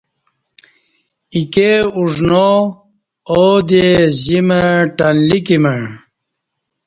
ایکے اوژ ناآودے زیمہ ،ٹنلیک مع